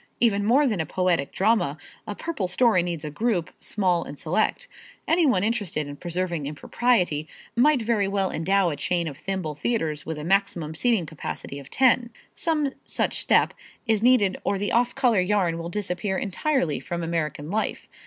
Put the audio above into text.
Even more than a poetic drama a purple story needs a group, small and select. Any one interested in preserving impropriety might very well endow a chain of thimble theaters with a maximum seating capacity of ten. Some such step is needed or the off color yarn will disappear entirely from American life.